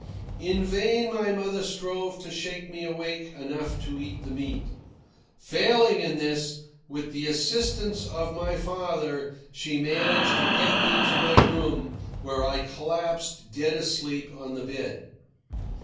In vain my mother strove to shake me awake enough to eat the meat. Failing in this, with the assistance of my father she managed to get me to my room, where I collapsed dead asleep on the bed.